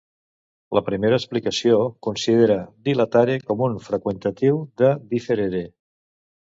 La primera explicació considera "dilatare" com un freqüentatiu de "differere".